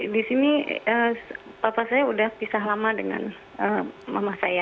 di sini papa saya sudah pisah lama dengan mama saya